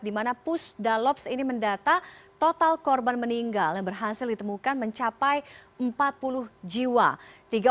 di mana pusdalops ini mendata total korban meninggal yang berhasil ditemukan mencapai empat puluh jiwa